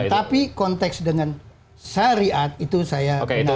tapi konteks dengan syariat itu saya kenal